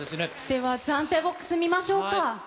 では、暫定ボックス見ましょうか。